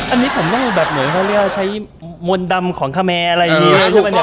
อันนี้ผมต้องแบบเหมือนเขาเรียกว่าใช้มนต์ดำของคแมร์อะไรอย่างนี้